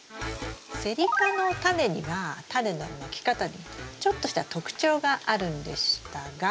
セリ科のタネにはタネのまき方にちょっとした特徴があるんでしたが。